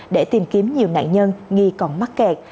để tìm kiếm nhiều nạn nhân nghi còn mắc kẹt